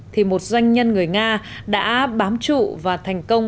thì một doanh nhân người nga đã bám trụ và thành công